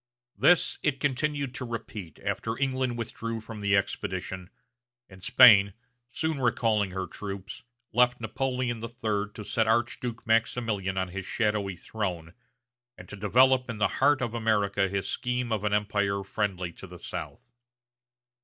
This it continued to repeat after England withdrew from the expedition, and Spain, soon recalling her troops, left Napoleon III to set the Archduke Maximilian on his shadowy throne, and to develop in the heart of America his scheme of an empire friendly to the South.